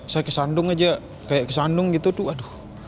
saya kesandung aja kayak kesandung gitu tuh aduh